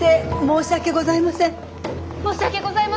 申し訳ございません。